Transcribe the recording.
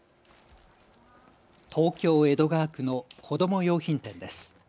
東京江戸川区の子ども用品店です。